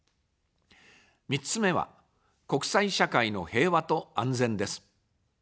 ３つ目は、国際社会の平和と安全です。